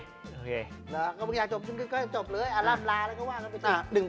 อยากจบก็จบเลยล่ำลาก็ว่ากันไปกิน